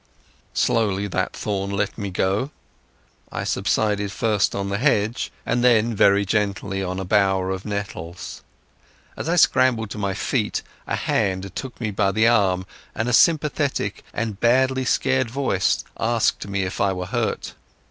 Slowly that thorn let me go. I subsided first on the hedge, and then very gently on a bower of nettles. As I scrambled to my feet a hand took me by the arm, and a sympathetic and badly scared voice asked me if I were hurt.